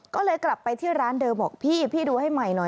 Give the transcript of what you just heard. ก็เลยกลับไปที่ร้านเดิมบอกพี่พี่ดูให้ใหม่หน่อย